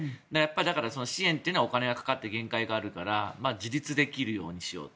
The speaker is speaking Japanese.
だから、支援はお金がかかって限界があるから自立できるようにしようと。